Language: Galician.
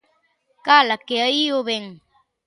Cala, que aí o vén.